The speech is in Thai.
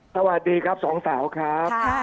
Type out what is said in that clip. สวัสดีครับสองสาวครับ